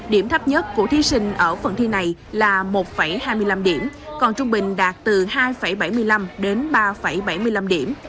điểm thấp nhất của thí sinh ở phần thi này là một hai mươi năm điểm còn trung bình đạt từ hai bảy mươi năm đến ba bảy mươi năm điểm